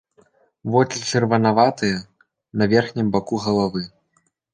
Вочы чырванаватыя, на верхнім баку галавы.